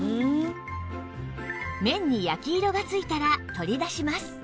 麺に焼き色がついたら取り出します